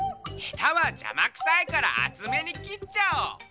「ヘタはじゃまくさいからあつめにきっちゃおう」。